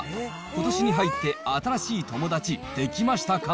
ことしに入って新しい友達できましたか？